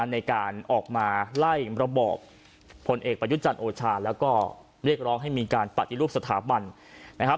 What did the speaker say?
ในการออกมาไล่ระบอบผลเอกประยุจันทร์โอชาแล้วก็เรียกร้องให้มีการปฏิรูปสถาบันนะครับ